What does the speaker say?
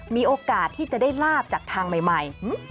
มีโอกาสที่จะได้ลาบจากทางใหม่